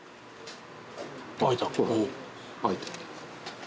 開いた。